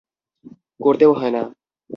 করতেও হয় না।